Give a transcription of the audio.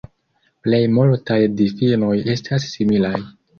Plej multaj difinoj estas similaj.